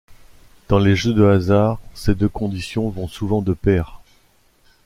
Dans les jeux de hasard, ces deux conditions vont souvent de pair.